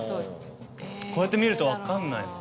こうやって見るとわかんない。